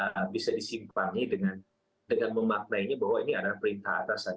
tapi bisa disimpangnya dengan memaknanya bahwa ini adalah perintah atasan